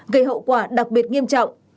gây hậu quả đặc biệt nghiêm trọng